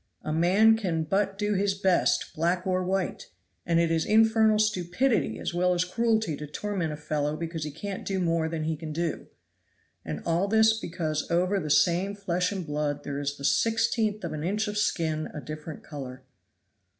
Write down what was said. A man can but do his best, black or white, and it is infernal stupidity as well as cruelty to torment a fellow because he can't do more than he can do. And all this because over the same flesh and blood there is the sixteenth of an inch of skin a different color.